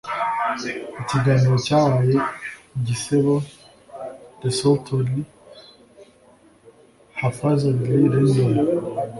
Ikiganiro cyabaye igisebo desultory hafazardly random